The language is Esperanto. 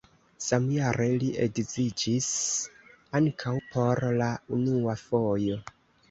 Samjare li edziĝis ankaŭ por la unua fojo.